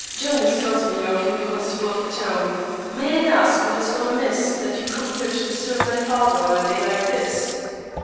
"Jonas tells me you are from the constable of the town. May I ask what has gone amiss that you come here to disturb my father on a day like this?"